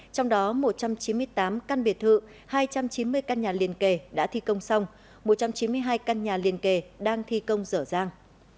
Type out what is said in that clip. hai trăm chín mươi tám căn biệt thự hai trăm chín mươi căn nhà liên kề đã thi công xong một trăm chín mươi hai căn nhà liên kề đang thi công dở dàng